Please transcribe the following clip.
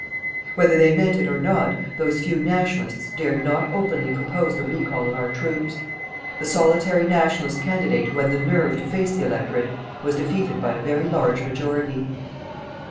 Whether they meant it or not, those few "Nationalists" dared not openly propose the recall of our troops. The solitary "Nationalist" candidate who had the nerve to face the electorate was defeated by a very large majority.